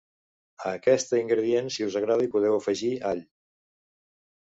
A aquesta ingredients si us agrada hi podeu afegir all.